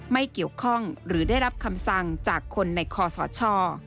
ไม่เกี่ยวข้องหรือได้รับคำสั่งจากคนในคอสช